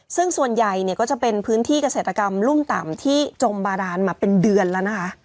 ซึ่งส่วนใหญ่เนี่ยก็จะเป็นพื้นที่เกษตรกรรมรุ่มต่ำที่จมบาดานมาเป็นเดือนแล้วนะคะ